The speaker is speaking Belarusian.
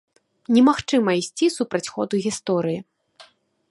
Немагчыма ісці супраць ходу гісторыі.